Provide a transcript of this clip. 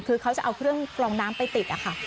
คือเขาจะเอาเครื่องกรองน้ำไปติดอะค่ะ